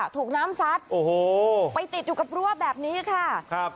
ถูกน้ำซัดโอ้โหไปติดอยู่กับรั้วแบบนี้ค่ะครับ